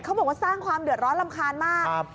เขาบอกว่าสร้างความเดือดร้อนรำคาญมาก